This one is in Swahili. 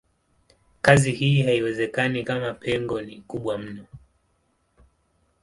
Kazi hii haiwezekani kama pengo ni kubwa mno.